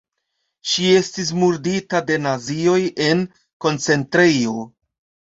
Ŝi estis murdita de nazioj en koncentrejo.